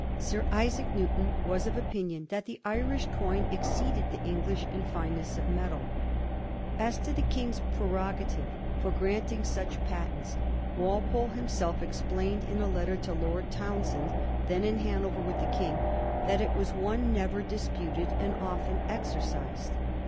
Sir Isaac Newton was of opinion that the Irish coin exceeded the English in fineness of metal. As to the King's prerogative for granting such patents, Walpole him self explained in a letter to Lord Townshend, then in Hanover with the King, that it was one never dis puted and often exercised.